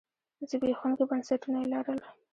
زبېښونکي بنسټونه یې لرل.